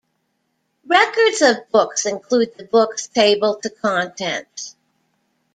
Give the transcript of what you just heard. Records of books include the book's table to contents.